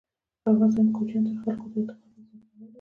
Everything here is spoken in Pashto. په افغانستان کې کوچیان د خلکو د اعتقاداتو سره تړاو لري.